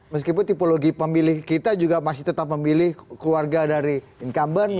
meskipun tipologi pemilih kita juga masih tetap memilih keluarga dari incumbent